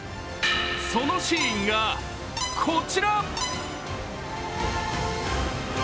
そのシーンがこちら。